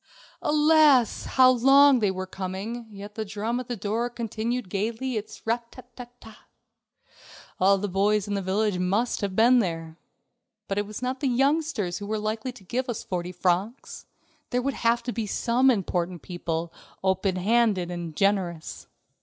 Alas! how long they were coming, and yet the drum at the door continued gayly its rat ta ta ta. All the boys in the village must have been there. But it was not the youngsters who were likely to give us forty francs. There would have to be some important people, open handed and generous.